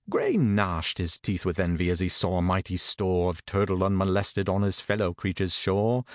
GRAY gnashed his teeth with envy as he saw a mighty store Of turtle unmolested on his fellow creature's shore.